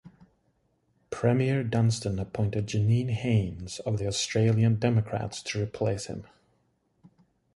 Premier Dunstan appointed Janine Haines of the Australian Democrats to replace him.